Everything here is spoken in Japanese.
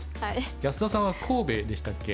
安田さんは神戸でしたっけ。